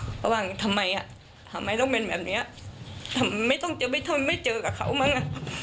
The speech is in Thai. เพราะว่าทำไมทำไมต้องเป็นแบบนี้ทำไมไม่เจอกับเขามั้ง